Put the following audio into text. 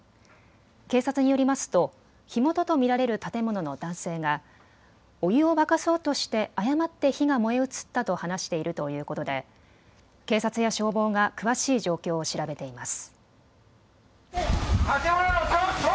警察によりますと火元と見られる建物の男性がお湯を沸かそうとして誤って火が燃え移ったと話しているということで警察や消防が詳しい状況を調べています。